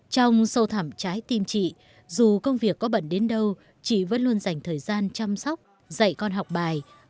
trong sâu thẩm trái tim chị dù công việc có bận đến đâu chị vẫn luôn dành thời gian chăm sóc dạy con học bài